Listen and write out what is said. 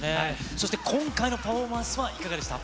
そして今回のパフォーマンスはいかがでした？